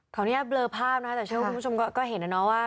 ตอนนี้เบลอภาพนะครับแต่ช่วงคุณผู้ชมก็เห็นแล้วเนาะว่า